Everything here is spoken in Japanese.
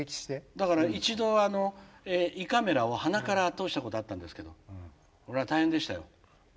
だから一度あの胃カメラを鼻から通したことあったんですけどこれは大変でしたよ。